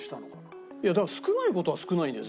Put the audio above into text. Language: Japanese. いやだから少ない事は少ないんだよ